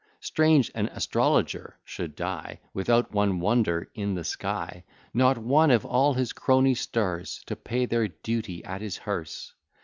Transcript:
Strange, an astrologer should die Without one wonder in the sky; Not one of all his crony stars To pay their duty at his hearse!